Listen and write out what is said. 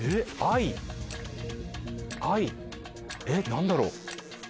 何だろう？